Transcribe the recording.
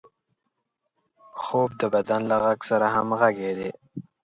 خوب د بدن له غږ سره همغږي ده